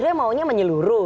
mas dria maunya menyeluruh